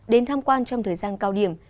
đến tham quan trong thời gian cao điểm